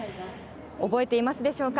覚えていますでしょうか。